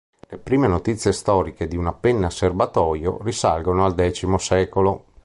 Le prime notizie storiche di una penna a serbatoio risalgono al X secolo.